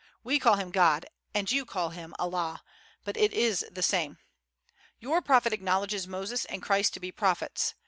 We call him God, and you call him Allah; but it is the same. Your Prophet acknowledges Moses and Christ to be prophets.